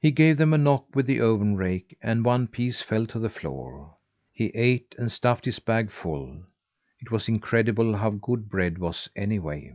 He gave them a knock with the oven rake and one piece fell to the floor. He ate, and stuffed his bag full. It was incredible how good bread was, anyway.